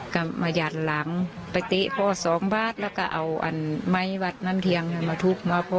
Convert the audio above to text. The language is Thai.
กะมาหยั่นหลังไปติ๊กพ่อสองบาทแล้วกะเอาอันไม้บัตรน้ำเทียงเนี่ยมาถูกมาพ่อ